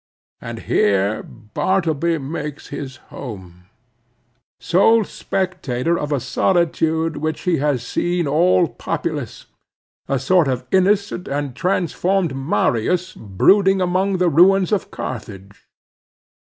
And here Bartleby makes his home; sole spectator of a solitude which he has seen all populous—a sort of innocent and transformed Marius brooding among the ruins of Carthage!